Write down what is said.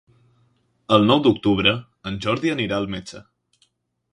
El nou d'octubre en Jordi anirà al metge.